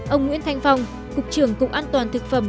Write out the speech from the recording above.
ông nguyễn thanh phong cục trưởng cục an toàn thực phẩm